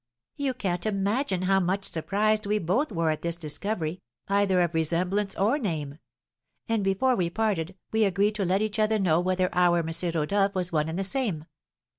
"You can't imagine how much surprised we both were at this discovery, either of resemblance or name; and before we parted we agreed to let each other know whether our M. Rodolph was one and the same.